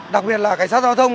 đặc biệt là cảnh sát giao thông